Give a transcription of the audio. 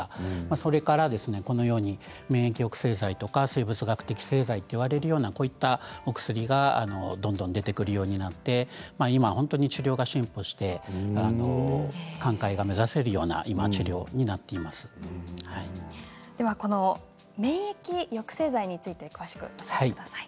それから免疫抑制剤とか生物学的製剤といわれるようなお薬がどんどん出てくるようになって今、本当に治療が進歩して寛解が目指せるようなでは、免疫抑制剤について詳しく教えてください。